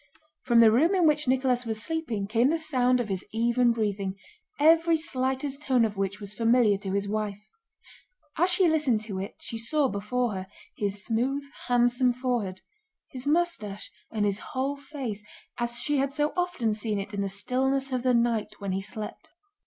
From the room in which Nicholas was sleeping came the sound of his even breathing, every slightest tone of which was familiar to his wife. As she listened to it she saw before her his smooth handsome forehead, his mustache, and his whole face, as she had so often seen it in the stillness of the night when he slept.